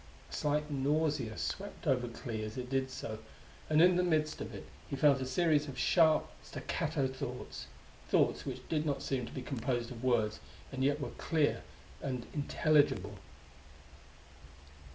A slight nausea swept over Clee as it did so, and in the midst of it he felt a series of sharp, staccato thoughts thoughts which did not seem to be composed of words, and yet were clear and intelligible.